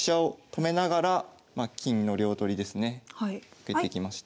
受けてきました。